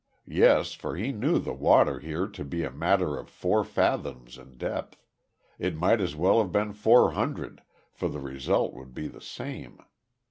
Yes, for he knew the water here to be a matter of four fathoms in depth it might as well have been four hundred for the result would be the same.